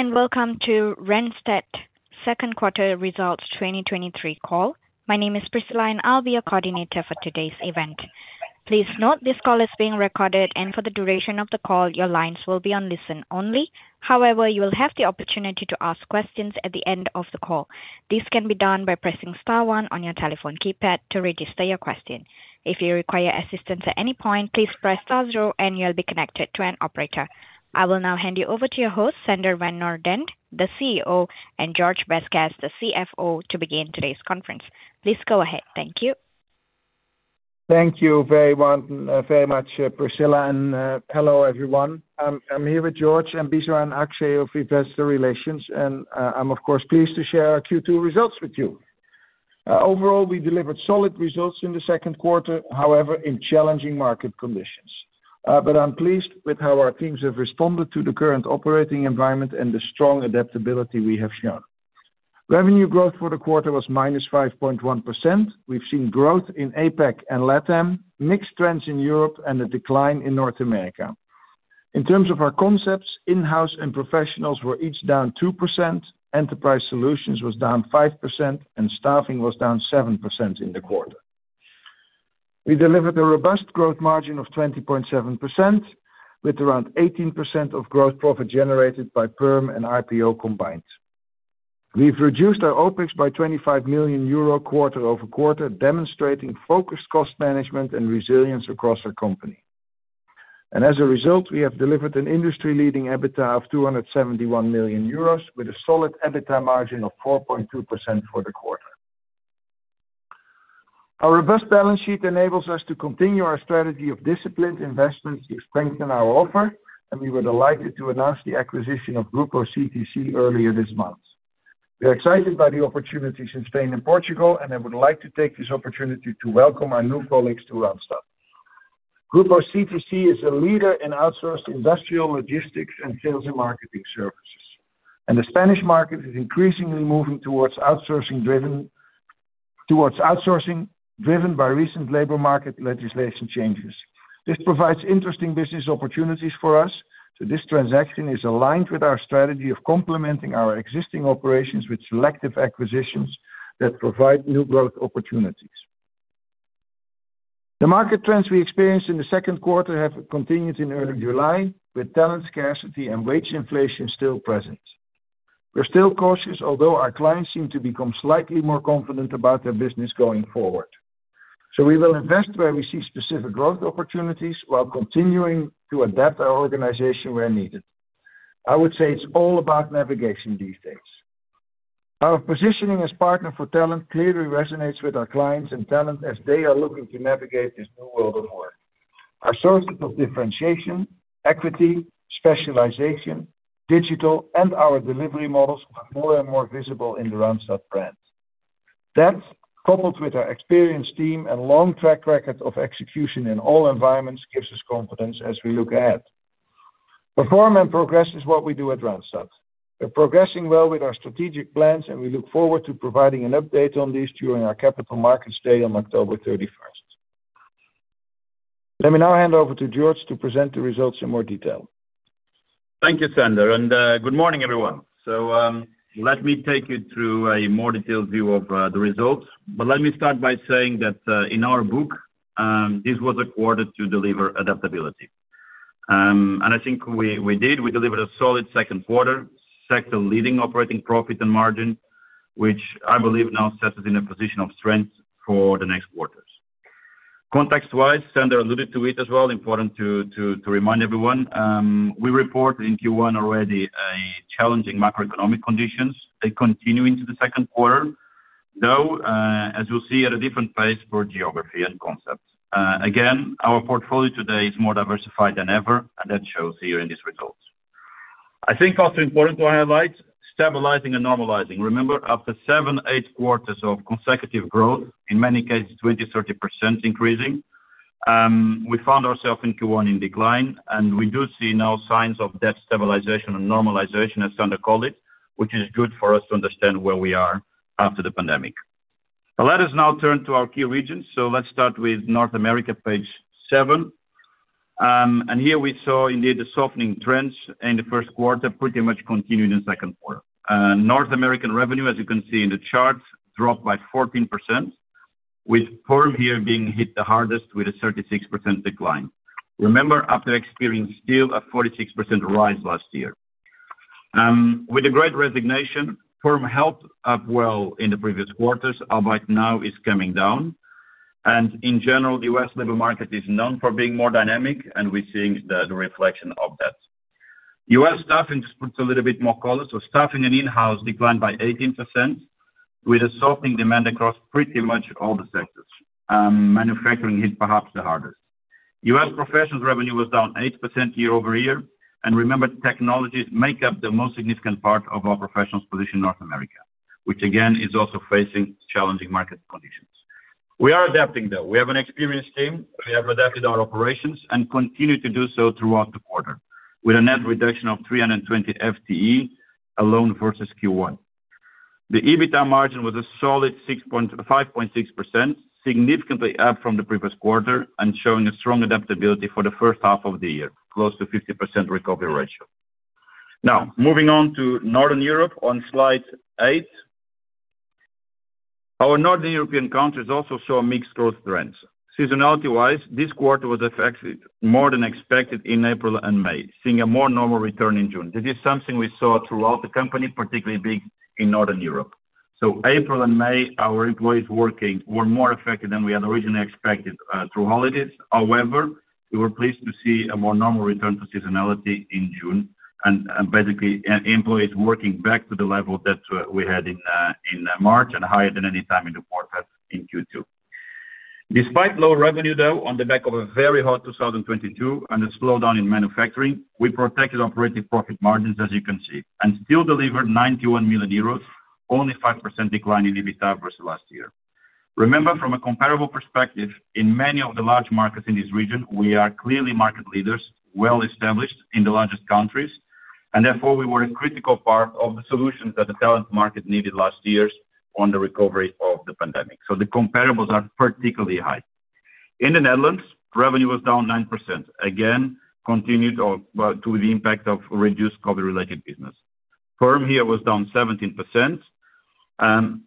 Good day. Welcome to Randstad Second Quarter Results 2023 call. My name is Priscilla. I'll be your coordinator for today's event. Please note, this call is being recorded. For the duration of the call, your lines will be on listen-only. You will have the opportunity to ask questions at the end of the call. This can be done by pressing star one on your telephone keypad to register your question. If you require assistance at any point, please press star zero. You'll be connected to an operator. I will now hand you over to your host, Sander van 't Noordende, the CEO, Jorge Vazquez, the CFO, to begin today's conference. Please go ahead. Thank you. Thank you very well, very much, Priscilla, hello, everyone. I'm here with Jorge, and Bisera, and Akshay, of Investor Relations, I'm of course, pleased to share our Q2 results with you. Overall, we delivered solid results in the second quarter, however, in challenging market conditions. I'm pleased with how our teams have responded to the current operating environment and the strong adaptability we have shown. Revenue growth for the quarter was -5.1%. We've seen growth in APAC and LATAM, mixed trends in Europe, and a decline in North America. In terms of our concepts, Inhouse and professionals were each down 2%, enterprise solutions was down 5%, and staffing was down 7% in the quarter. We delivered a robust gross margin of 20.7%, with around 18% of gross profit generated by Perm and RPO combined. We've reduced our OpEx by 25 million euro quarter-over-quarter, demonstrating focused cost management and resilience across our company. As a result, we have delivered an industry-leading EBITDA of 271 million euros, with a solid EBITDA margin of 4.2% for the quarter. Our robust balance sheet enables us to continue our strategy of disciplined investments to strengthen our offer. We were delighted to announce the acquisition of Grupo CTC earlier this month. We're excited by the opportunities in Spain and Portugal. I would like to take this opportunity to welcome our new colleagues to Randstad. Grupo CTC is a leader in outsourced industrial, logistics, and sales and marketing services. The Spanish market is increasingly moving towards outsourcing, driven by recent labor market legislation changes. This provides interesting business opportunities for us, this transaction is aligned with our strategy of complementing our existing operations with selective acquisitions, that provide new growth opportunities. The market trends we experienced in the second quarter have continued in early July, with talent scarcity and wage inflation still present. We're still cautious, although our clients seem to become slightly more confident about their business going forward. We will invest where we see specific growth opportunities while continuing to adapt our organization where needed. I would say it's all about navigation these days. Our positioning as partner for talent clearly resonates with our clients and talent as they are looking to navigate this new world of work. Our sources of differentiation, equity, specialization, digital, and our delivery models are more and more visible in the Randstad brand. That, coupled with our experienced team and long track record of execution in all environments, gives us confidence as we look ahead. Perform and progress is what we do at Randstad. We're progressing well with our strategic plans, and we look forward to providing an update on these during our Capital Markets Day on October 31st. Let me now hand over to Jorge to present the results in more detail. Thank you, Sander. Good morning, everyone. Let me take you through a more detailed view of the results. Let me start by saying that in our book, this was a quarter to deliver adaptability. I think we did. We delivered a solid second quarter, sector-leading operating profit and margin, which I believe now sets us in a position of strength for the next quarters. Context-wise, Sander alluded to it as well, important to remind everyone, we report in Q1 already a challenging macroeconomic conditions. They continue into the second quarter, though, as you'll see, at a different pace for geography and concepts. Again, our portfolio today is more diversified than ever, that shows here in these results. I think also important to highlight, stabilizing and normalizing. Remember, after seven, eight quarters of consecutive growth, in many cases, 20%, 30% increasing, we found ourselves in Q1 in decline. We do see now signs of that stabilization and normalization, as Sander called it, which is good for us to understand where we are after the pandemic. Let us now turn to our key regions. Let's start with North America, page 7. Here we saw indeed, the softening trends in the first quarter, pretty much continued in second quarter. North American revenue, as you can see in the charts, dropped by 14%, with Perm here being hit the hardest with a 36% decline. Remember, after experiencing still a 46% rise last year. With the great resignation, Perm helped up well in the previous quarters. Now it's coming down. In general, the U.S. labor market is known for being more dynamic, and we're seeing the reflection of that. U.S. staffing puts a little bit more color. Staffing and Inhouse declined by 18%, with a softening demand across pretty much all the sectors, manufacturing hit perhaps the hardest. U.S. Professionals revenue was down 8% year-over-year, and remember, Technologies make up the most significant part of our Professionals position in North America, which again, is also facing challenging market conditions. We are adapting though. We have an experienced team, we have adapted our operations and continued to do so throughout the quarter, with a net reduction of 320 FTE alone versus Q1. The EBITDA margin was a solid 5.6%, significantly up from the previous quarter and showing a strong adaptability for the first half of the year, close to 50% recovery ratio. Moving on to Northern Europe on slide 8. Our Northern European countries also saw mixed growth trends. Seasonality-wise, this quarter was affected more than expected in April and May, seeing a more normal return in June. This is something we saw throughout the company, particularly big in Northern Europe. April and May, our employees working were more affected than we had originally expected through holidays. We were pleased to see a more normal return to seasonality in June and employees working back to the level that we had in March and higher than any time in the quarter in Q2. Despite low revenue, though, on the back of a very hot 2022 and a slowdown in manufacturing, we protected operating profit margins, as you can see, and still delivered 91 million euros, only 5% decline in EBITDA versus last year. Remember, from a comparable perspective, in many of the large markets in this region, we are clearly market leaders, well-established in the largest countries, and therefore, we were a critical part of the solutions that the talent market needed last years on the recovery of the pandemic. The comparables are particularly high. In the Netherlands, revenue was down 9%. Again, continued, well, due to the impact of reduced COVID-related business. Perm here was down 17%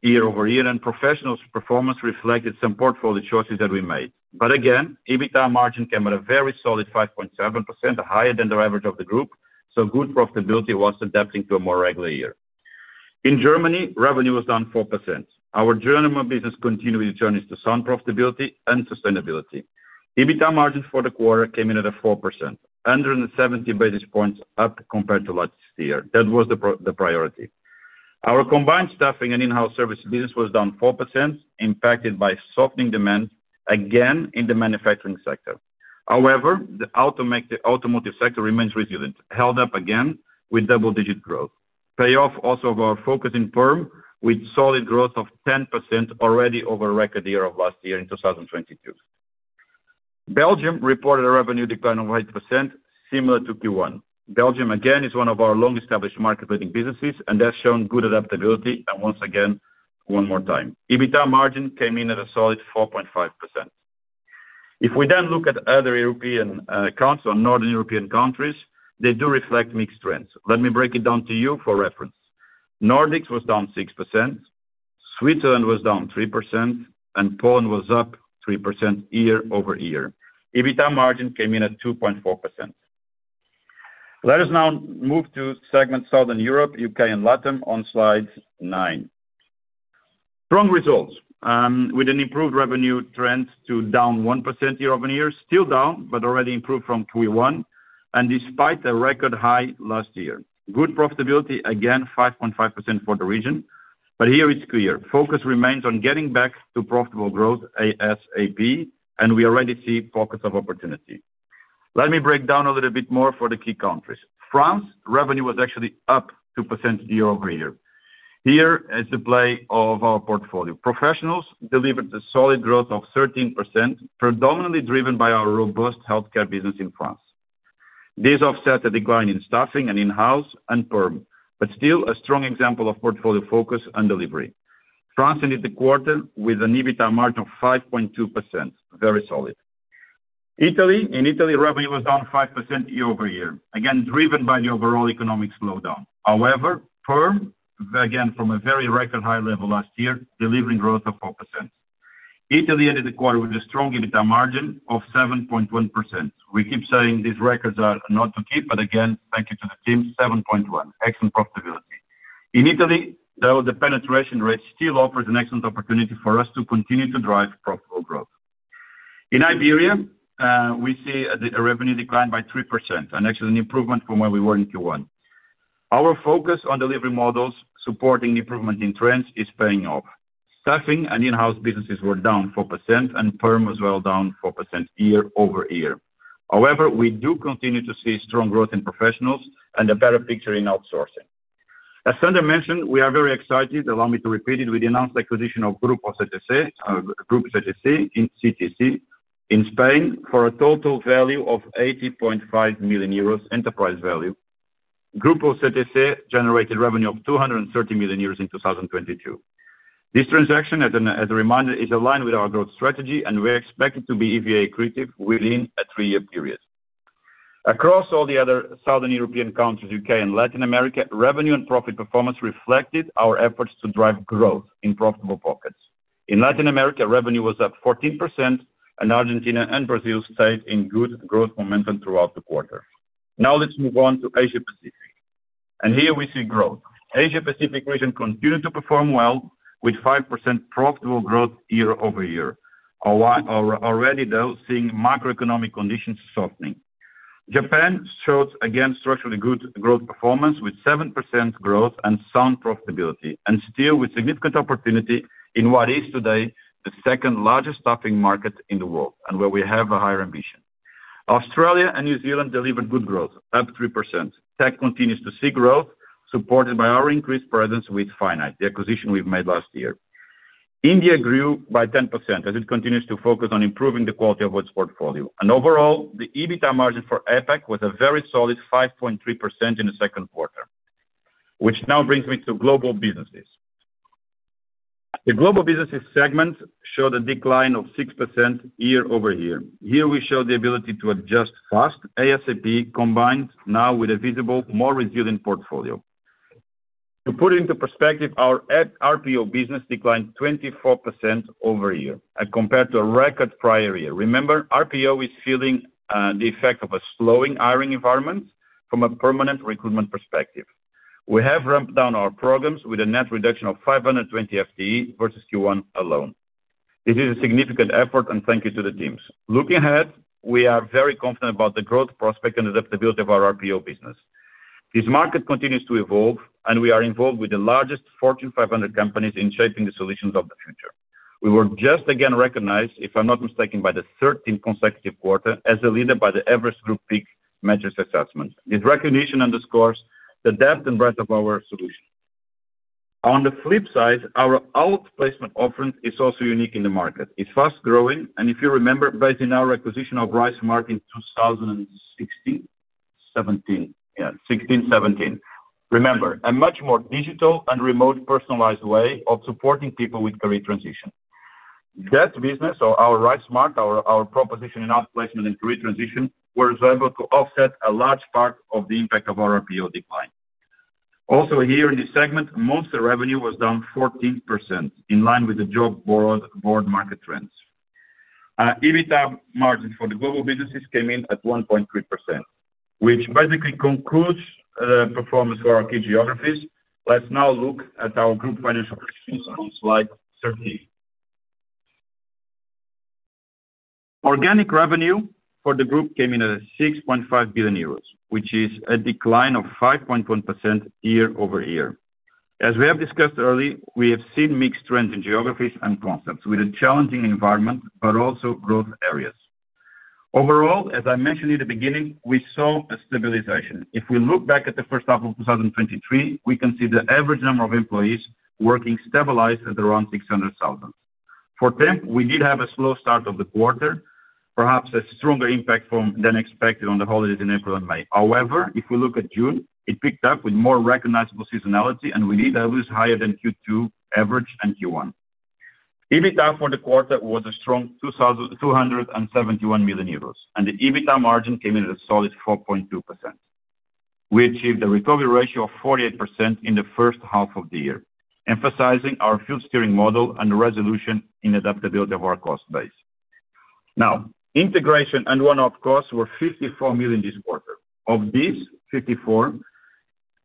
year-over-year, and professionals' performance reflected some portfolio choices that we made. EBITDA margin came at a very solid 5.7%, higher than the average of the group, good profitability was adapting to a more regular year. In Germany, revenue was down 4%. Our German business continued its journey to sound profitability and sustainability. EBITDA margin for the quarter came in at a 4%, under 70 basis points up compared to last year. That was the priority. Our combined staffing and Inhouse service business was down 4%, impacted by softening demand, again, in the manufacturing sector. However, the automotive sector remains resilient, held up again with double-digit growth. Payoff also of our focus in Perm, with solid growth of 10% already over record year of last year in 2022. Belgium reported a revenue decline of 8%, similar to Q1. Belgium, again, is one of our long-established market-leading businesses, and they have shown good adaptability, and once again, one more time. EBITDA margin came in at a solid 4.5%. If we then look at other European countries or Northern European countries, they do reflect mixed trends. Let me break it down to you for reference. Nordics was down 6%, Switzerland was down 3%, and Poland was up 3% year-over-year. EBITDA margin came in at 2.4%. Let us now move to segment Southern Europe, U.K. and LATAM on slide 9. Strong results, with an improved revenue trends to down 1% year-over-year. Still down, but already improved from Q1, and despite a record high last year. Good profitability, again, 5.5% for the region. Here it's clear, focus remains on getting back to profitable growth ASAP. We already see pockets of opportunity. Let me break down a little bit more for the key countries. France, revenue was actually up 2% year-over-year. Here is the play of our portfolio. Professionals delivered a solid growth of 13%, predominantly driven by our robust healthcare business in France. This offset a decline in staffing and Inhouse and Perm, still a strong example of portfolio focus and delivery. France ended the quarter with an EBITDA margin of 5.2%, very solid. Italy, in Italy, revenue was down 5% year-over-year, again, driven by the overall economic slowdown. However, Perm, again, from a very record high level last year, delivering growth of 4%. Italy ended the quarter with a strong EBITDA margin of 7.1%. We keep saying these records are not to keep. Again, thank you to the team, 7.1. Excellent profitability. In Italy, though, the penetration rate still offers an excellent opportunity for us to continue to drive profitable growth. In Iberia, we see a revenue decline by 3%. Actually an improvement from where we were in Q1. Our focus on delivery models supporting improvement in trends is paying off. Staffing and Inhouse businesses were down 4%. Perm as well, down 4% year-over-year. We do continue to see strong growth in professionals and a better picture in outsourcing. As Sander mentioned, we are very excited, allow me to repeat it, we announced the acquisition of Grupo CTC in Spain, for a total value of 80.5 million euros enterprise value. Grupo CTC generated revenue of 230 million euros in 2022. This transaction, as a reminder, is aligned with our growth strategy, and we're expected to be EVA accretive within a three-year period. Across all the other Southern European countries, U.K. and Latin America, revenue and profit performance reflected our efforts to drive growth in profitable pockets. In Latin America, revenue was up 14%, and Argentina and Brazil stayed in good growth momentum throughout the quarter. Now let's move on to Asia Pacific. Here we see growth. Asia Pacific region continued to perform well, with 5% profitable growth year-over-year. Already, though, seeing macroeconomic conditions softening. Japan shows, again, structurally good growth performance with 7% growth and sound profitability, and still with significant opportunity in what is today the second-largest staffing market in the world and where we have a higher ambition. Australia and New Zealand delivered good growth, up 3%. Tech continues to see growth, supported by our increased presence with Finite, the acquisition we've made last year. India grew by 10% as it continues to focus on improving the quality of its portfolio. Overall, the EBITDA margin for APAC was a very solid 5.3% in the second quarter, which now brings me to global businesses. The global businesses segment showed a decline of 6% year-over-year. Here we show the ability to adjust fast, ASAP, combined now with a visible, more resilient portfolio. To put into perspective, our RPO business declined 24% over a year as compared to a record prior year. Remember, RPO is feeling the effect of a slowing hiring environment from a permanent recruitment perspective. We have ramped down our programs with a net reduction of 520 FTE versus Q1 alone. This is a significant effort, and thank you to the teams. Looking ahead, we are very confident about the growth, prospect, and adaptability of our RPO business. This market continues to evolve, and we are involved with the largest Fortune 500 companies in shaping the solutions of the future. We were just again recognized, if I'm not mistaken, by the 13th consecutive quarter as a leader by the Everest Group PEAK Matrix® Assessment. This recognition underscores the depth and breadth of our solution. On the flip side, our outplacement offering is also unique in the market. It's fast-growing, and if you remember, based in our acquisition of RiseSmart in 2016, 2017. Yeah, 2016, 2017. Remember, a much more digital and remote personalized way of supporting people with career transition. That business, so our RiseSmart, our proposition in outplacement and career transition, was able to offset a large part of the impact of our RPO decline. Also here in this segment, Monster revenue was down 14%, in line with the job board market trends. EBITDA margin for the global businesses came in at 1.3%, which basically concludes performance for our key geographies. Let's now look at our group financial reviews on slide 13. Organic revenue for the group came in at 6.5 billion euros, which is a decline of 5.1% year-over-year. As we have discussed early, we have seen mixed trends in geographies and concepts with a challenging environment, but also growth areas. Overall, as I mentioned in the beginning, we saw a stabilization. If we look back at the first half of 2023, we can see the average number of employees working stabilized at around 600,000. For temp, we did have a slow start of the quarter, perhaps a stronger impact from than expected on the holidays in April and May. If we look at June, it picked up with more recognizable seasonality, and we need at least higher than Q2 average and Q1. EBITDA for the quarter was a strong 271 million euros, and the EBITDA margin came in at a solid 4.2%. We achieved a recovery ratio of 48% in the first half of the year, emphasizing our field steering model and resolution in adaptability of our cost base. Integration and one-off costs were 54 million this quarter. Of these 54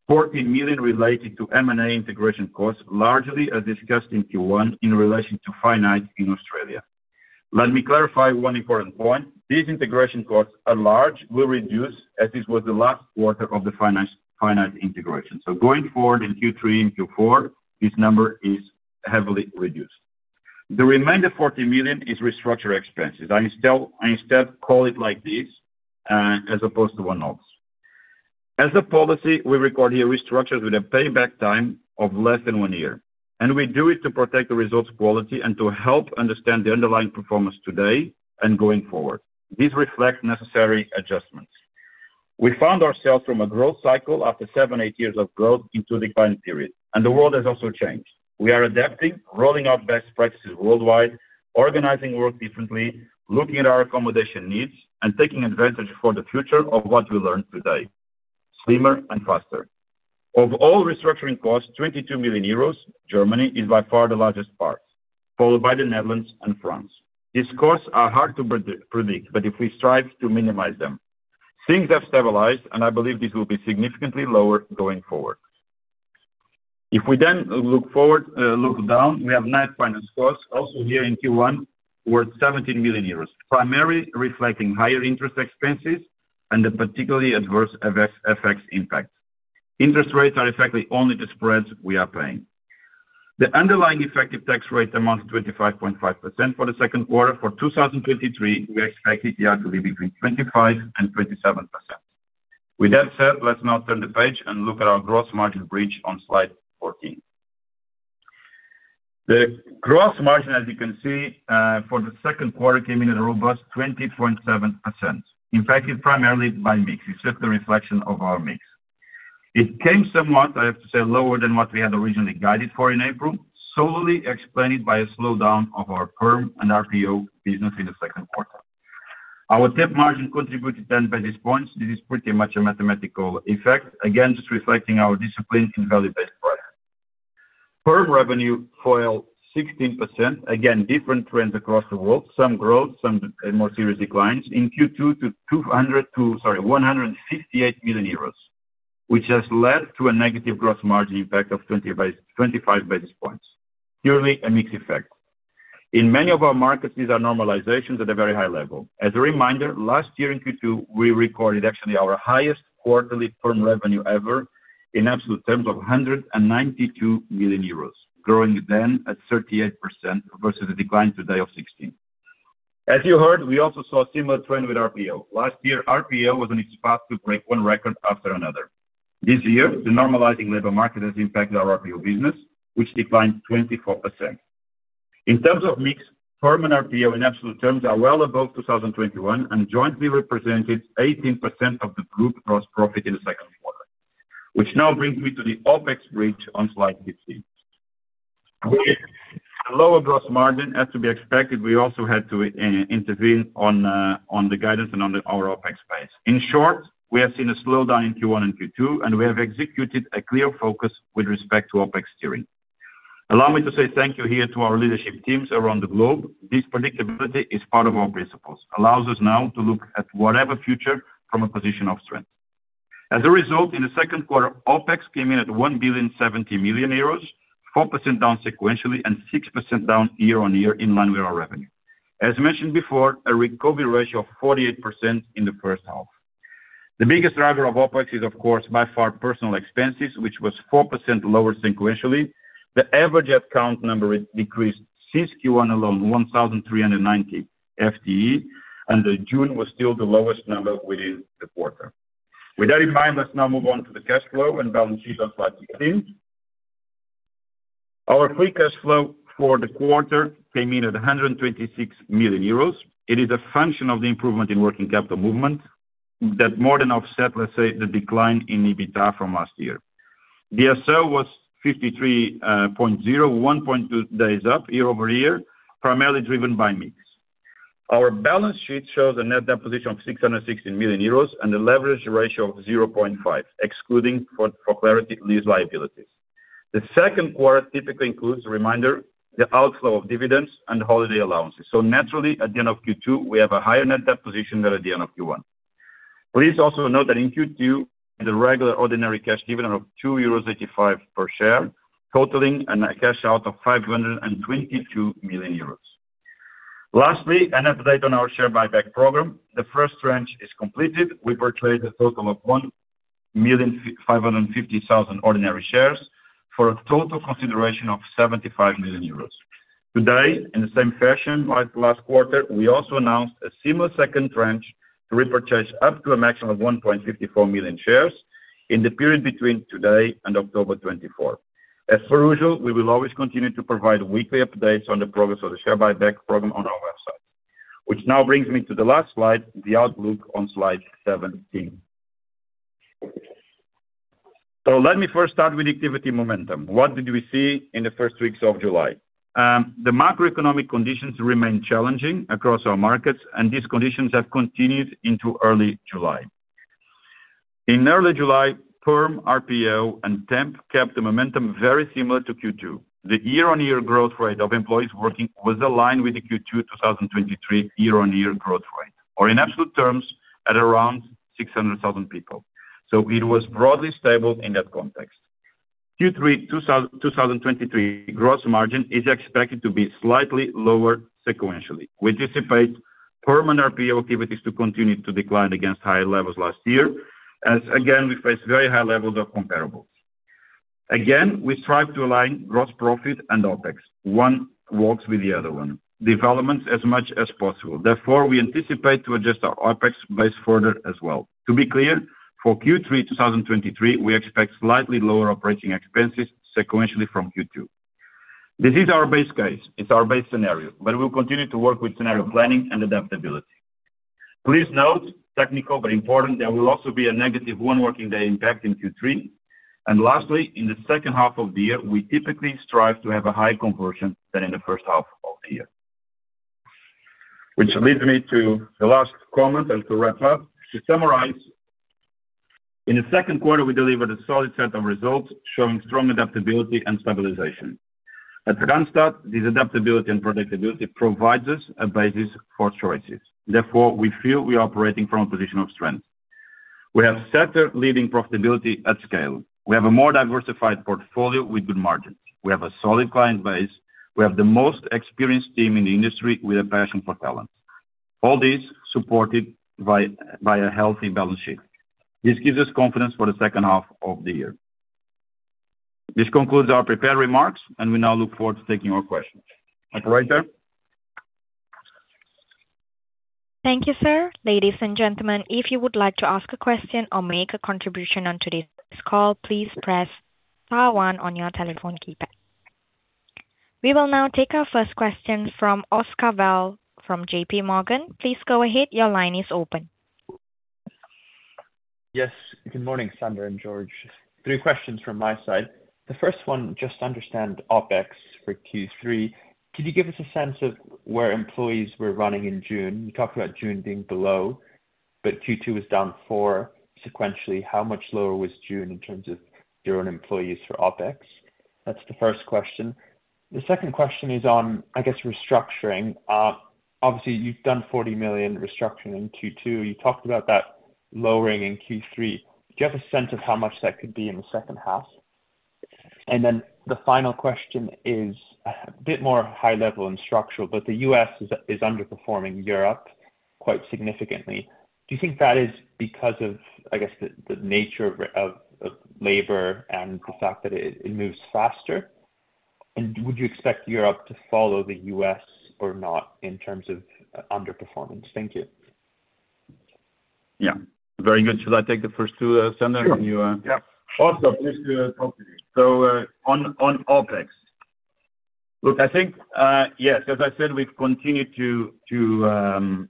million, 14 million related to M&A integration costs, largely as discussed in Q1, in relation to Finite in Australia. Let me clarify one important point. These integration costs are large, will reduce, as this was the last quarter of the Finite integration. Going forward in Q3 and Q4, this number is heavily reduced. The remainder 40 million is restructure expenses. I instead call it like this, as opposed to one-off. As a policy, we record here restructures with a payback time of less than 1 year, and we do it to protect the results quality and to help understand the underlying performance today and going forward. These reflect necessary adjustments. We found ourselves from a growth cycle after 7, 8 years of growth into declining period, and the world has also changed. We are adapting, rolling out best practices worldwide, organizing work differently, looking at our accommodation needs and taking advantage for the future of what we learned today, slimmer and faster. Of all restructuring costs, 22 million euros, Germany is by far the largest part, followed by the Netherlands and France. These costs are hard to predict, but if we strive to minimize them, things have stabilized, and I believe this will be significantly lower going forward. We then look forward, look down, we have net finance costs also here in Q1, worth 17 million euros, primarily reflecting higher interest expenses and a particularly adverse FX impact. Interest rates are effectively only the spreads we are paying. The underlying effective tax rate amounts to 25.5% for the second quarter. For 2023, we expect it yeah to be between 25% and 27%. That said, let's now turn the page and look at our gross margin bridge on slide 14. The gross margin, as you can see, for the second quarter, came in at a robust 20.7%. Impacted primarily by mix. It's just a reflection of our mix. It came somewhat, I have to say, lower than what we had originally guided for in April, solely explained by a slowdown of our Perm and RPO business in the second quarter. Our temp margin contributed then by these points. This is pretty much a mathematical effect, again, just reflecting our discipline in value-based price. Perm revenue fell 16%. Different trends across the world. Some growth, some more serious declines in Q2 to 158 million euros, which has led to a negative gross margin impact of 25 basis points. Purely a mix effect. In many of our markets, these are normalizations at a very high level. As a reminder, last year in Q2, we recorded actually our highest quarterly Perm revenue ever in absolute terms of 192 million euros, growing then at 38% versus a decline today of 16%. As you heard, we also saw a similar trend with RPO. Last year, RPO was on its path to break one record after another. This year, the normalizing labor market has impacted our RPO business, which declined 24%. In terms of mix, Perm and RPO in absolute terms are well above 2021 and jointly represented 18% of the group gross profit in the second quarter, which now brings me to the OpEx bridge on slide 16. With lower gross margin, as to be expected, we also had to intervene on the guidance and on the our OpEx base. In short, we have seen a slowdown in Q1 and Q2, and we have executed a clear focus with respect to OpEx steering. Allow me to say thank you here to our leadership teams around the globe. This predictability is part of our principles, allows us now to look at whatever future from a position of strength. As a result, in the second quarter, OpEx came in at 1,070 million euros, 4% down sequentially and 6% down year-over-year in line with our revenue. As mentioned before, a recovery ratio of 48% in the first half. The biggest driver of OpEx is, of course, by far personal expenses, which was 4% lower sequentially. The average head count number decreased since Q1 alone, 1,390 FTE, and June was still the lowest number within the quarter. With that in mind, let's now move on to the cash flow and balance sheet on slide 16. Our free cash flow for the quarter came in at 126 million euros. It is a function of the improvement in working capital movement that more than offset, let's say, the decline in EBITDA from last year. DSO was 53.0, 1.2 days up year-over-year, primarily driven by mix. Our balance sheet shows a net debt position of 616 million euros and a leverage ratio of 0.5, excluding for clarity, lease liabilities. The second quarter typically includes a reminder, the outflow of dividends and holiday allowances. Naturally, at the end of Q2, we have a higher net debt position than at the end of Q1. Please also note that in Q2, the regular ordinary cash dividend of 2.85 euros per share, totaling a net cash out of 522 million euros. Lastly, an update on our share buyback program. The first tranche is completed. We purchased a total of 1,550,000 ordinary shares for a total consideration of 75 million euros. Today, in the same fashion like last quarter, we also announced a similar second tranche to repurchase up to a maximum of 1.54 million shares in the period between today and October 24. As per usual, we will always continue to provide weekly updates on the progress of the share buyback program on our website. Which now brings me to the last slide, the outlook on slide 17. Let me first start with activity momentum. What did we see in the first weeks of July? The macroeconomic conditions remain challenging across our markets, and these conditions have continued into early July. In early July, firm RPO and temp kept the momentum very similar to Q2. The year-on-year growth rate of employees working was aligned with the Q2 2023 year-on-year growth rate, or in absolute terms at around 600,000 people. It was broadly stable in that context. Q3 2023 gross margin is expected to be slightly lower sequentially. We anticipate permanent RPO activities to continue to decline against high levels last year, as again, we face very high levels of comparables. We strive to align gross profit and OpEx. One works with the other one, developments as much as possible. We anticipate to adjust our OpEx base further as well. To be clear, for Q3 2023, we expect slightly lower OpEx sequentially from Q2. This is our base case. It's our base scenario, but we'll continue to work with scenario planning and adaptability. Please note, technical but important, there will also be a negative 1 working day impact in Q3. Lastly, in the second half of the year, we typically strive to have a high conversion than in the first half of the year. Which leads me to the last comment and to wrap up. To summarize, in the second quarter, we delivered a solid set of results showing strong adaptability and stabilization. At Randstad, this adaptability and predictability provides us a basis for choices. Therefore, we feel we are operating from a position of strength. We have sector-leading profitability at scale. We have a more diversified portfolio with good margins. We have a solid client base. We have the most experienced team in the industry with a passion for talent. All this supported by a healthy balance sheet. This gives us confidence for the second half of the year. This concludes our prepared remarks. We now look forward to taking your questions. Operator? Thank you, sir. Ladies and gentlemen, if you would like to ask a question or make a contribution on today's call, please press star one on your telephone keypad. We will now take our first question from Oscar Val from JPMorgan. Please go ahead. Your line is open. Yes, good morning, Sander and Jorge. Three questions from my side. The first one, just to understand OpEx for Q3, could you give us a sense of where employees were running in June? You talked about June being below, but Q2 was down four sequentially. How much lower was June in terms of your own employees for OpEx? That's the first question. The second question is on, I guess, restructuring. Obviously, you've done 40 million restructuring in Q2. You talked about that lowering in Q3. Do you have a sense of how much that could be in the second half? The final question is a bit more high level and structural, but the U.S. is underperforming Europe quite significantly. Do you think that is because of, I guess, the nature of labor and the fact that it moves faster? Would you expect Europe to follow the U.S. or not in terms of underperformance? Thank you. Yeah. Very good. Should I take the first two, Sander, from you? Sure. Yeah. Oscar, pleased to talk to you. On OpEx. Look, I think, yes, as I said, we've continued to,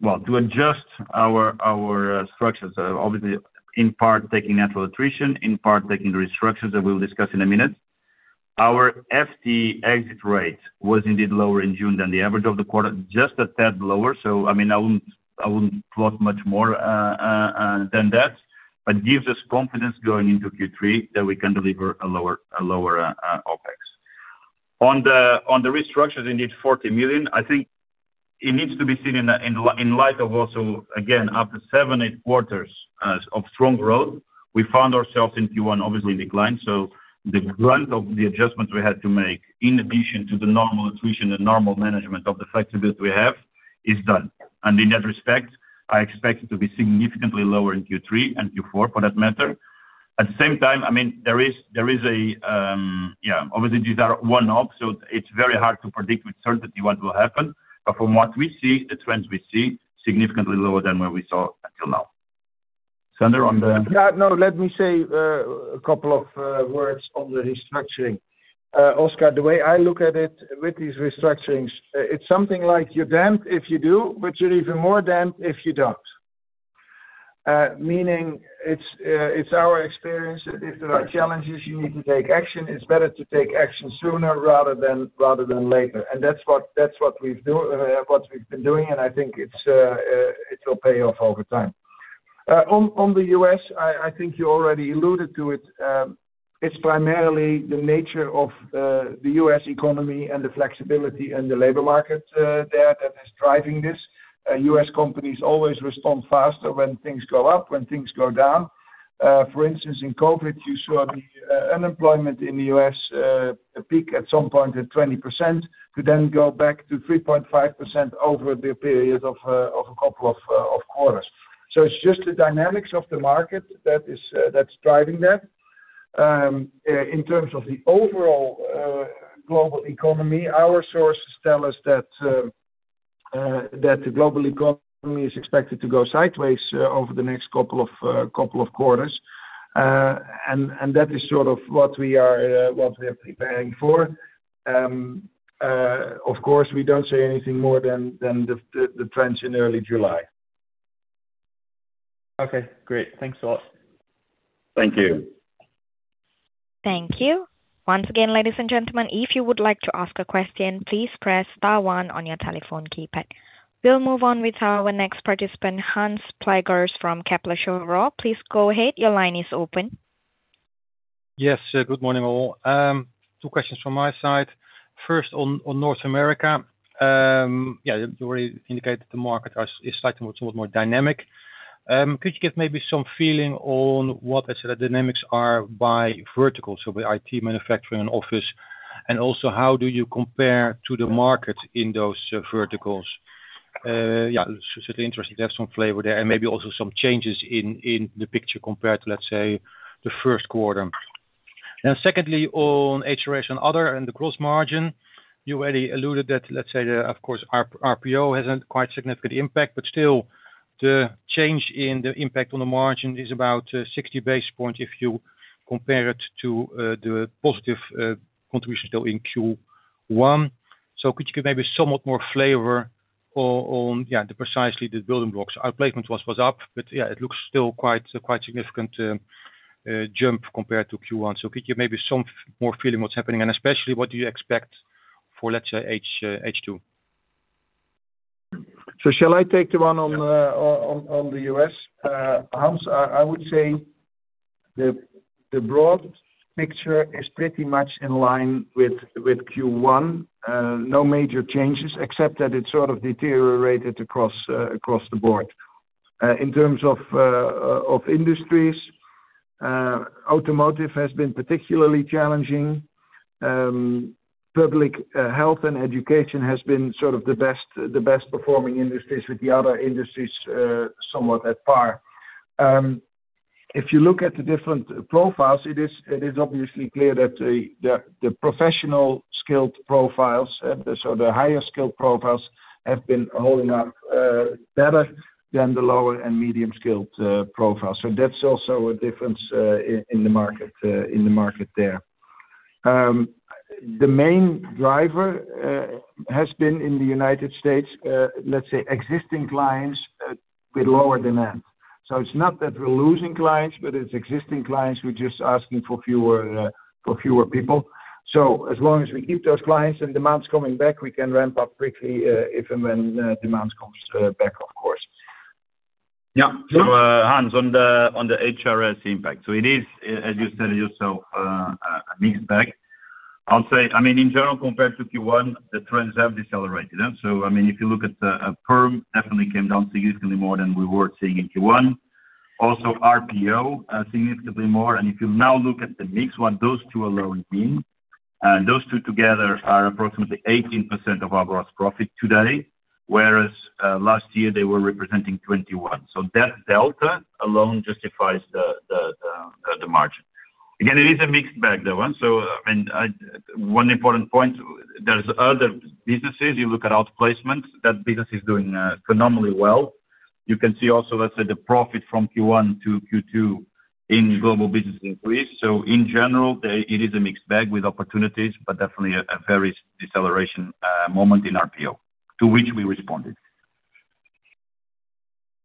well, to adjust our structures. Obviously, in part, taking natural attrition, in part, taking the restructures that we'll discuss in a minute. Our FT exit rate was indeed lower in June than the average of the quarter, just a tad lower, so I mean, I wouldn't plot much more than that. It gives us confidence going into Q3 that we can deliver a lower OpEx. On the restructures, indeed, 40 million, I think it needs to be seen in light of also, again, after seven, eight quarters of strong growth, we found ourselves in Q1 obviously declined. The grant of the adjustments we had to make in addition to the normal attrition and normal management of the flexibility we have is done. In that respect, I expect it to be significantly lower in Q3 and Q4, for that matter. At the same time, I mean, there is a, obviously, these are one-off, so it's very hard to predict with certainty what will happen. From what we see, the trends we see, significantly lower than what we saw until now. Sander, on the- Yeah, no, let me say a couple of words on the restructuring. Oscar, the way I look at it with these restructurings, it's something like you're damned if you do, but you're even more damned if you don't. Meaning, it's our experience that if there are challenges, you need to take action. It's better to take action sooner rather than, rather than later. That's what we've been doing, and I think it will pay off over time. On the US, I think you already alluded to it. It's primarily the nature of the US economy and the flexibility in the labor market there that is driving this. US companies always respond faster when things go up, when things go down. For instance, in COVID, you saw the unemployment in the U.S. peak at some point at 20%, to then go back to 3.5% over the period of a couple of quarters. It's just the dynamics of the market that is that's driving that. In terms of the overall global economy, our sources tell us that the global economy is expected to go sideways over the next couple of quarters. And that is sort of what we are what we're preparing for. Of course, we don't say anything more than the trends in early July. Okay, great. Thanks a lot. Thank you. Thank you. Once again, ladies and gentlemen, if you would like to ask a question, please press star one on your telephone keypad. We'll move on with our next participant, Hans Pluijgers from Kepler Cheuvreux. Please go ahead. Your line is open. Yes, good morning, all. 2 questions from my side. First, on North America. You already indicated the market is slightly somewhat more dynamic. Could you give maybe some feeling on what the dynamics are by vertical, so the IT, manufacturing, and office? How do you compare to the market in those verticals? It's certainly interesting to have some flavor there, and maybe also some changes in the picture compared to the 1st quarter. Secondly, on HRS and other, and the gross margin, you already alluded that, of course, RPO has a quite significant impact, but still, the change in the impact on the margin is about 60 basis points if you compare it to the positive contribution still in Q1. Could you give maybe somewhat more flavor on, yeah, the precisely the building blocks? Our placement was up, but, yeah, it looks still quite significant jump compared to Q1. Could you maybe some more feeling what's happening? Especially, what do you expect for, let's say, H2? Shall I take the one on the U.S.? Hans, I would say the broad picture is pretty much in line with Q1. No major changes, except that it sort of deteriorated across the board. In terms of industries, automotive has been particularly challenging. Public health and education has been sort of the best performing industries, with the other industries somewhat at par. If you look at the different profiles, it is obviously clear that the professional skilled profiles, so the higher skilled profiles, have been holding up better than the lower and medium skilled profiles. That's also a difference in the market there. The main driver has been in the United States, let's say, existing clients, with lower demands. It's not that we're losing clients, but it's existing clients who are just asking for fewer, for fewer people. As long as we keep those clients and demands coming back, we can ramp up quickly, if and when demands comes back, of course. Yeah. Sure. Hans, on the HRS impact. It is, as you said yourself, a mixed bag. I'll say, I mean, in general, compared to Q1, the trends have decelerated. I mean, if you look at the Perm, definitely came down significantly more than we were seeing in Q1. Also, RPO, significantly more, and if you now look at the mix, what those two alone mean, and those two together are approximately 18% of our gross profit today... whereas, last year they were representing 21%. That delta alone justifies the margin. Again, it is a mixed bag, though, one, and, one important point, there's other businesses. You look at outplacements, that business is doing phenomenally well. You can see also, let's say, the profit from Q1 to Q2 in global business increase. In general, it is a mixed bag with opportunities, but definitely a very deceleration moment in RPO, to which we responded.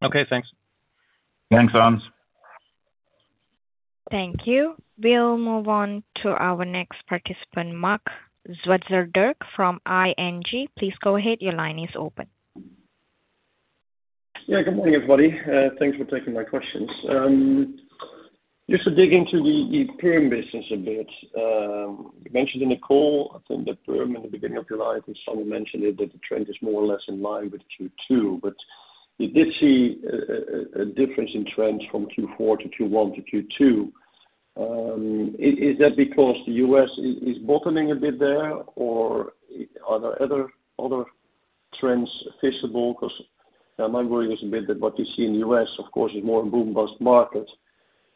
Okay, thanks. Thanks, Hans. Thank you. We'll move on to our next participant, Marc Zwartsenburg from ING. Please go ahead. Your line is open. Yeah, good morning, everybody. Thanks for taking my questions. Just to dig into the Perm business a bit. You mentioned in the call, I think, that Perm in the beginning of July, and someone mentioned it, that the trend is more or less in line with Q2. You did see a difference in trends from Q4 to Q1 to Q2. Is that because the U.S. is bottoming a bit there, or are there other trends feasible? I'm wondering is a bit that what you see in the U.S., of course, is more a boom-bust market,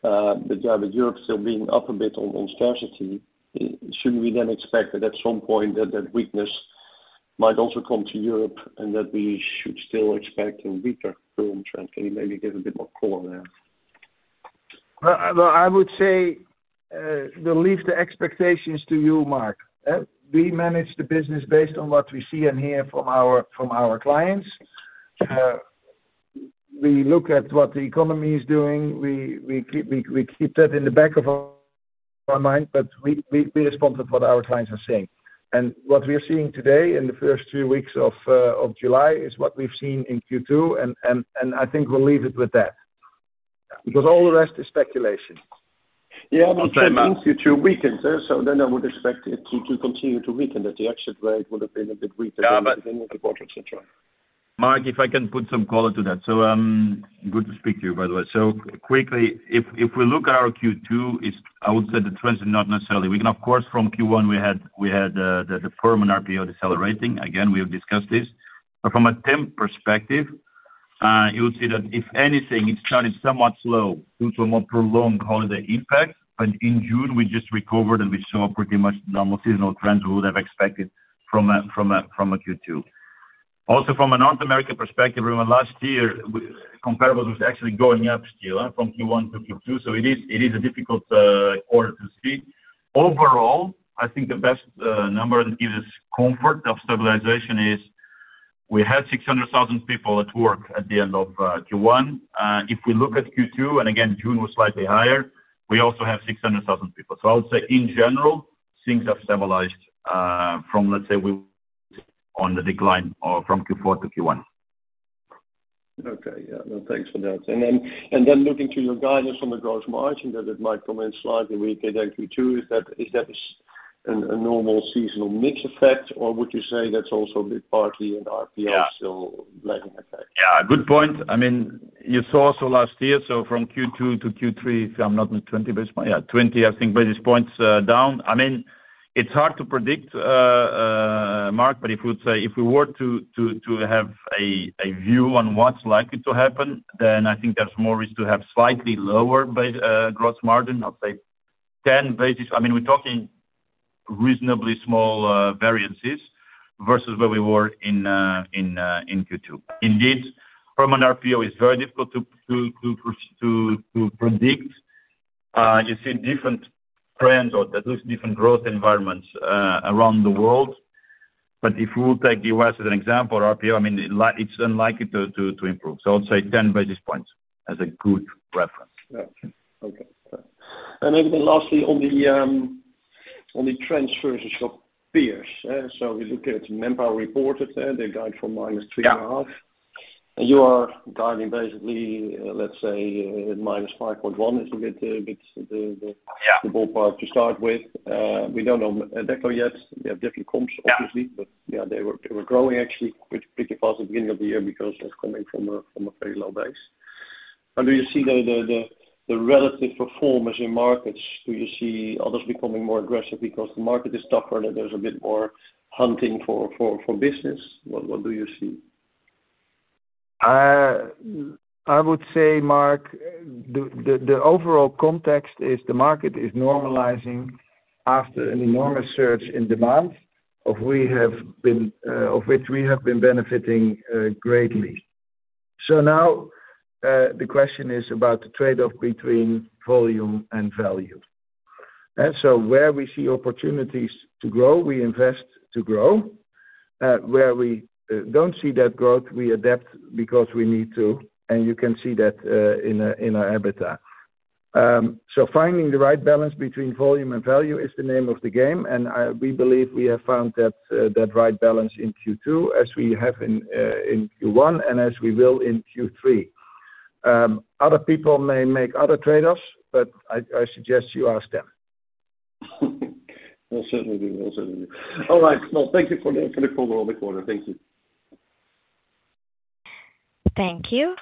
Europe still being up a bit on scarcity. Should we expect that at some point that weakness might also come to Europe, and that we should still expect a weaker Perm trend? Can you maybe give a bit more color there? Well, I would say, we'll leave the expectations to you, Marc. We manage the business based on what we see and hear from our clients. We look at what the economy is doing. We keep that in the back of our mind, but we respond to what our clients are saying. What we are seeing today, in the first three weeks of July, is what we've seen in Q2, and I think we'll leave it with that. All the rest is speculation. Yeah. Sorry, Mark. Q2 weakened, so then I would expect it to continue to weaken, that the exit rate would have been a bit weaker. Yeah. At the beginning of the quarter et cetera. Marc, if I can put some color to that. Good to speak to you, by the way. Quickly, if we look at our Q2, I would say the trends are not necessarily weak. Of course, from Q1 we had the Perm and RPO decelerating. Again, we have discussed this. From a temp perspective, you will see that if anything, it started somewhat slow due to a more prolonged holiday impact. In June, we just recovered, and we saw pretty much normal seasonal trends we would have expected from a Q2. From a North American perspective, remember last year, comparable was actually going up still from Q1 to Q2, so it is a difficult quarter to see. Overall, I think the best number that gives us comfort of stabilization is, we had 600,000 people at work at the end of Q1. If we look at Q2, and again, June was slightly higher, we also have 600,000 people. I would say in general, things have stabilized from, let's say, we on the decline or from Q4 to Q1. Okay, yeah. Well, thanks for that. Then looking to your guidance on the gross margin, that it might come in slightly weaker than Q2, is that a normal seasonal mix effect, or would you say that's also a bit partly in RPO-? Yeah. Lagging effect? Good point. I mean, you saw also last year, from Q2 to Q3, if I'm not mistaken, 20 basis points down. I mean, it's hard to predict, Marc, if we were to have a view on what's likely to happen, then I think there's more risk to have slightly lower gross margin, I'd say 10 basis. I mean, we're talking reasonably small variances versus where we were in Q2. Indeed, from an RPO, it's very difficult to predict. You see different trends or at least different growth environments around the world. If we would take the US as an example, RPO, I mean, it's unlikely to improve. I'd say 10 basis points as a good reference. Yeah. Okay. Maybe then lastly on the, on the transfers of peers, so we look at Manpower reported there, they guide for -3.5%. Yeah. You are guiding basically, let's say, -5.1%, is a bit. Yeah... the ballpark to start with. We don't know Adecco yet. They have different comps- Yeah... obviously, but yeah, they were growing actually quite pretty fast at the beginning of the year because that's coming from a very low base. Do you see the relative performance in markets? Do you see others becoming more aggressive because the market is tougher, and there's a bit more hunting for business? What do you see? I would say, Marc, the overall context is the market is normalizing after an enormous surge in demand, of which we have been benefiting greatly. Now, the question is about the trade-off between volume and value. Where we see opportunities to grow, we invest to grow. Where we don't see that growth, we adapt because we need to, and you can see that in our uncertain. Finding the right balance between volume and value is the name of the game, and we believe we have found that right balance in Q2, as we have in Q1, and as we will in Q3. Other people may make other trade-offs, I suggest you ask them. I certainly will. I certainly will. All right. Well, thank you for the, for the call and the quarter. Thank you. Thank you.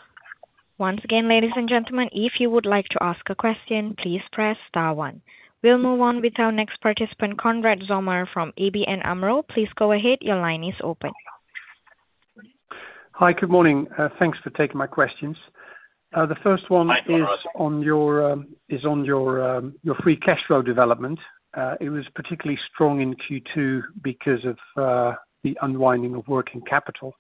Once again, ladies and gentlemen, if you would like to ask a question, please press star one. We will move on with our next participant, Konrad Zomer from ABN AMRO. Please go ahead. Your line is open. Hi, good morning. Thanks for taking my questions. The first one is on your free cash flow development. It was particularly strong in Q2 because of the unwinding of working capital.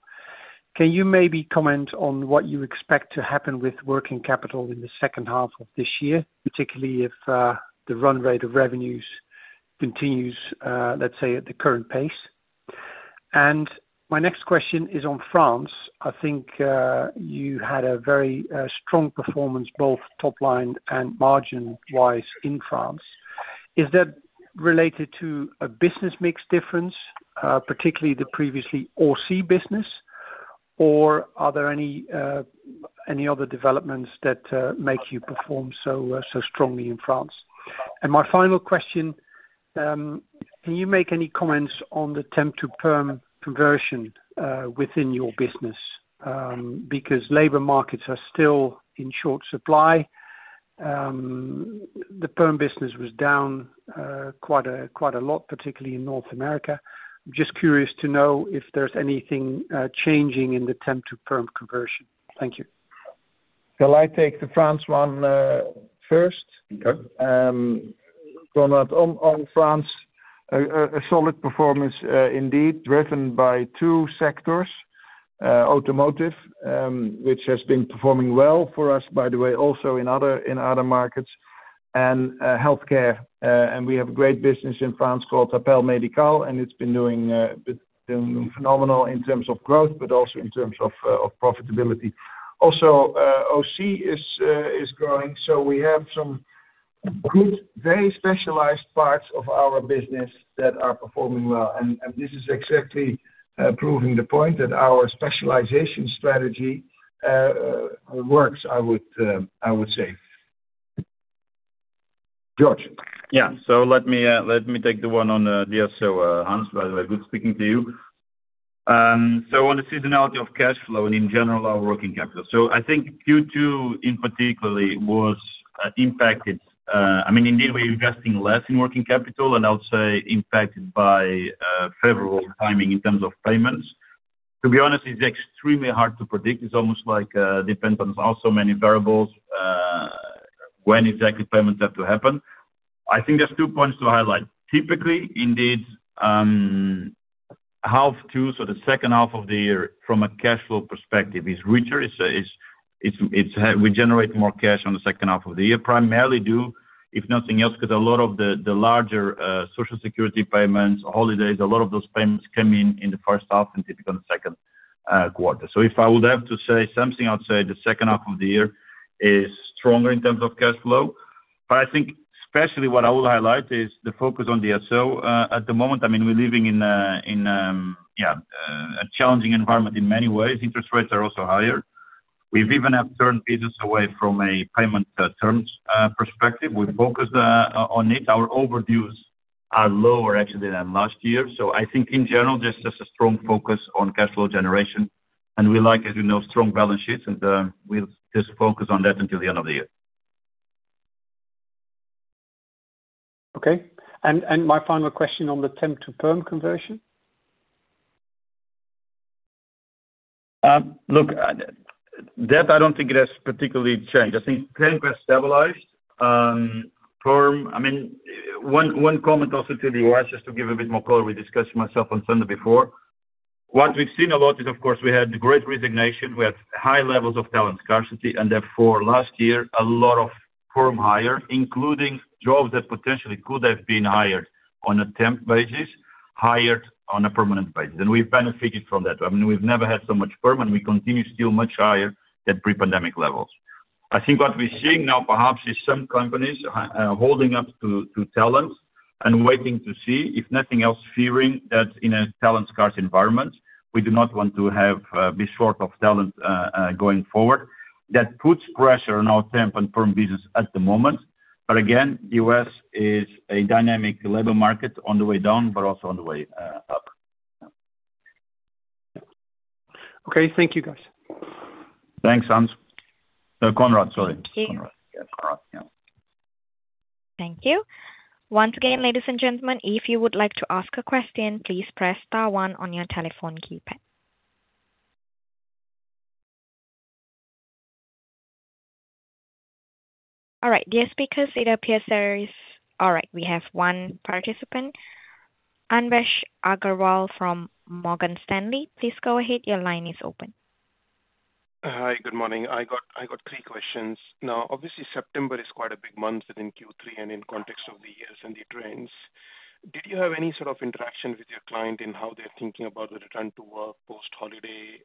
Can you maybe comment on what you expect to happen with working capital in the second half of this year, particularly if the run rate of revenues continues, let's say, at the current pace? My next question is on France. I think you had a very strong performance, both top line and margin-wise in France. Is that related to a business mix difference, particularly the previously OC business, or are there any other developments that make you perform so strongly in France? My final question, can you make any comments on the temp-to-Perm conversion within your business? Because labor markets are still in short supply. The Perm business was down quite a lot, particularly in North America. I'm just curious to know if there's anything changing in the temp-to-Perm conversion. Thank you. Shall I take the France one, first? Okay. Going on France, a solid performance indeed, driven by two sectors, automotive, which has been performing well for us, by the way, also in other markets, and healthcare. We have great business in France called Appel Médical, and it's been doing phenomenal in terms of growth, but also in terms of profitability. Also, OC is growing, so we have some good, very specialized parts of our business that are performing well. This is exactly proving the point that our specialization strategy works, I would say. Jorge? Yeah. Let me, let me take the one on DSO, Hans, by the way, good speaking to you. On the seasonality of cash flow and in general our working capital. I think Q2 in particularly was impacted. I mean, indeed, we're investing less in working capital and I'll say impacted by favorable timing in terms of payments. To be honest, it's extremely hard to predict. It's almost like depends on also many variables, when exactly payments have to happen. I think there's two points to highlight. Typically, indeed, half 2, so the second half of the year from a cash flow perspective, is richer. We generate more cash on the second half of the year, primarily due, if nothing else, because a lot of the larger Social Security payments, holidays, a lot of those payments come in the first half and typically in the second quarter. If I would have to say something, I'd say the second half of the year is stronger in terms of cash flow. I think especially what I will highlight is the focus on DSO. At the moment, I mean, we're living in a challenging environment in many ways. Interest rates are also higher. We've even have turned business away from a payment terms perspective. We focus on it. Our overdues are lower actually than last year. I think in general, just a strong focus on cash flow generation, and we like, as you know, strong balance sheets, and we'll just focus on that until the end of the year. Okay. My final question on the temp-to-perm conversion? Look, that I don't think it has particularly changed. I think temp has stabilized. Perm, I mean, one comment also to the U.S., just to give a bit more color, we discussed myself on Sunday before. What we've seen a lot is, of course, we had great resignation, we had high levels of talent scarcity, and therefore last year, a lot of Perm hire, including jobs that potentially could have been hired on a temp basis, hired on a permanent basis. We benefited from that. I mean, we've never had so much Perm, and we continue still much higher than pre-pandemic levels. I think what we're seeing now perhaps is some companies holding up to talents and waiting to see, if nothing else, fearing that in a talent-scarce environment, we do not want to have be short of talent going forward. That puts pressure on our temp and Perm business at the moment. Again, U.S. is a dynamic labor market on the way down, but also on the way up. Okay. Thank you, guys. Thanks, Hans. Konrad, sorry. Okay. Conrad, yeah. Thank you. Once again, ladies and gentlemen, if you would like to ask a question, please press star one on your telephone keypad. All right, dear speakers. All right, we have one participant. Anvesh Agrawal from Morgan Stanley, please go ahead. Your line is open. Hi, good morning. I got 3 questions. Obviously, September is quite a big month within Q3 and in context of the years and the trends. Did you have any sort of interaction with your client in how they're thinking about the return to work post-holiday?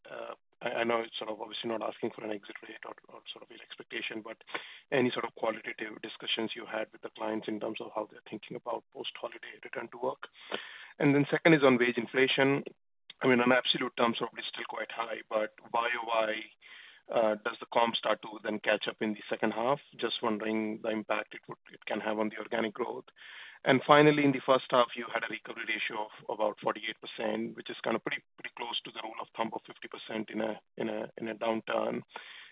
I know it's sort of obviously not asking for an exit rate or sort of an expectation, but any sort of qualitative discussions you had with the clients in terms of how they're thinking about post-holiday return to work? Second is on wage inflation. I mean, on absolute terms, probably still quite high, but why does the comp start to then catch up in the second half? Just wondering the impact it can have on the organic growth.... Finally, in the first half, you had a recovery ratio of about 48%, which is kind of pretty close to the rule of thumb of 50% in a downturn.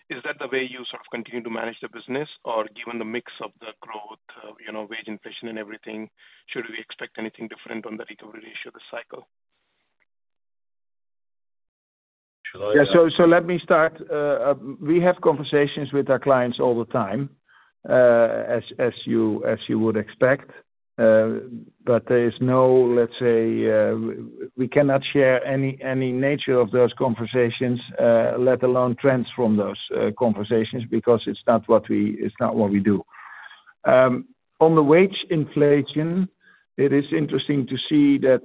Is that the way you sort of continue to manage the business? Given the mix of the growth, you know, wage inflation and everything, should we expect anything different on the recovery ratio of the cycle? Should I- Yeah, let me start. We have conversations with our clients all the time, as you would expect. There is no let's say, we cannot share any nature of those conversations, let alone trends from those conversations, because it's not what we do. On the wage inflation, it is interesting to see that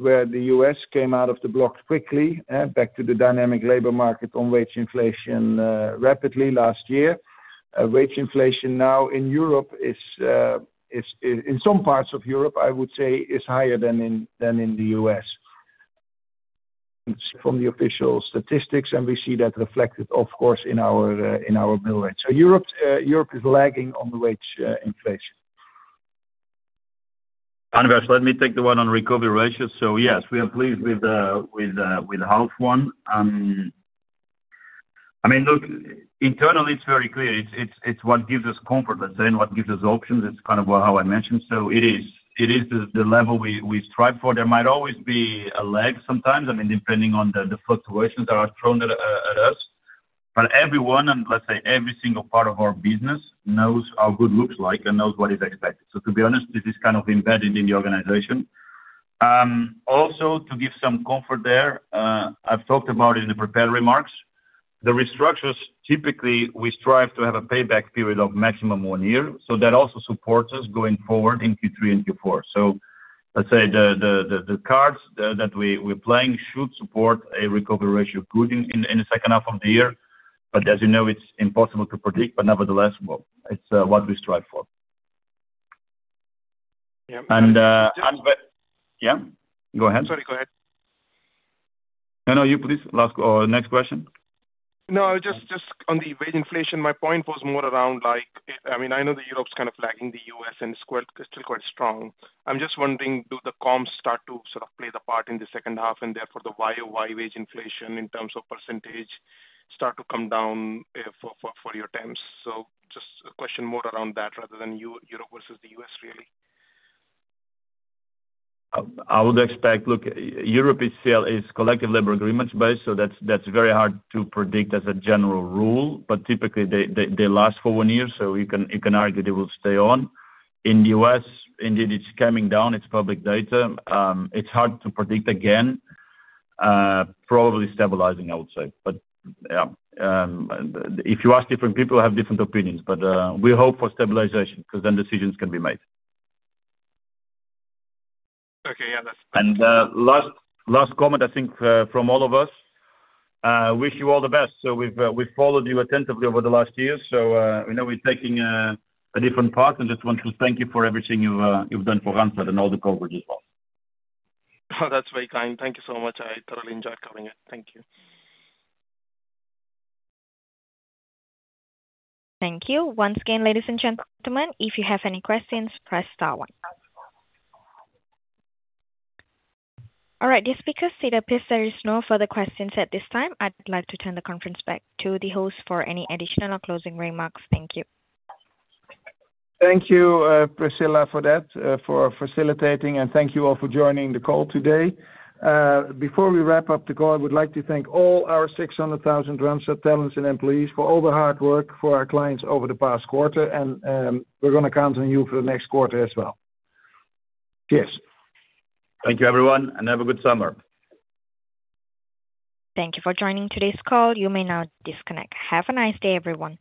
where the U.S. came out of the block quickly, back to the dynamic labor market on wage inflation, rapidly last year. Wage inflation now in Europe is, in some parts of Europe, I would say, is higher than in the U.S. From the official statistics, we see that reflected, of course, in our bill rate. Europe is lagging on the wage inflation. Anvesh, let me take the one on recovery ratio. Yes, we are pleased with the health one. I mean, look, internally, it's very clear. It's what gives us comfort, let's say, and what gives us options. It's kind of what how I mentioned. It is the level we strive for. There might always be a lag sometimes, I mean, depending on the fluctuations that are thrown at us. Everyone, and let's say every single part of our business, knows how good looks like and knows what is expected. To be honest, this is kind of embedded in the organization. Also, to give some comfort there, I've talked about in the prepared remarks, the restructures, typically, we strive to have a payback period of maximum one year, so that also supports us going forward in Q3 and Q4. Let's say the cards that we're playing should support a recovery ratio good in the second half of the year. As you know, it's impossible to predict, but nevertheless, well, it's what we strive for. Yeah. Yeah, go ahead. Sorry, go ahead. No, no, you please. Last or next question. No, just on the wage inflation, my point was more around like, I mean, I know that Europe's kind of lagging the U.S., and it's quite, still quite strong. I'm just wondering, do the comps start to sort of play the part in the second half, and therefore, the Y or Y wage inflation in terms of % start to come down for your attempts? Just a question more around that rather than Europe versus the U.S., really. I would expect. Look, Europe is still collective labor agreements based, so that's very hard to predict as a general rule. Typically, they last for one year, so you can argue they will stay on. In the U.S., indeed, it's coming down. It's public data. It's hard to predict again. Probably stabilizing, I would say. Yeah, if you ask different people, have different opinions, we hope for stabilization because then decisions can be made. Okay, yeah. Last comment, I think, from all of us, wish you all the best. We've followed you attentively over the last years. We know we're taking a different path and just want to thank you for everything you've done for Randstad and all the coverage as well. Oh, that's very kind. Thank you so much. I thoroughly enjoyed covering it. Thank you. Thank you. Once again, ladies and gentlemen, if you have any questions, press star 1. All right, the speakers, if there is no further questions at this time, I'd like to turn the conference back to the host for any additional closing remarks. Thank you. Thank you, Priscilla, for that, for facilitating, and thank you all for joining the call today. Before we wrap up the call, I would like to thank all our 600,000 Randstad talents and employees for all the hard work for our clients over the past quarter, and, we're gonna count on you for the next quarter as well. Cheers. Thank you, everyone, and have a good summer. Thank you for joining today's call. You may now disconnect. Have a nice day, everyone.